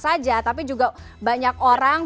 saja tapi juga banyak orang